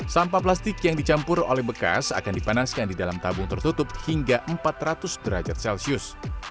sampah plastik yang dicampur oleh bekas akan dipanaskan di dalam tabung tertutup hingga empat ratus derajat celcius